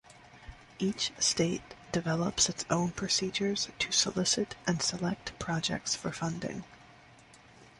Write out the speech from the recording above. Each State develops its own procedures to solicit and select projects for funding.